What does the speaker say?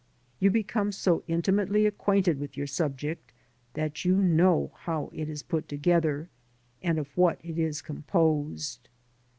You become so intimately acquainted with your subject that you know how it is put together, and of what it is composed.